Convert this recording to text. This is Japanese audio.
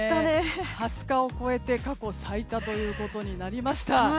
２０日を超えて過去最多となりました。